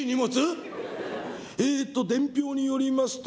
「えっと伝票によりますと。